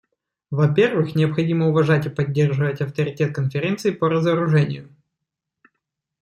Во-первых, необходимо уважать и поддерживать авторитет Конференции по разоружению.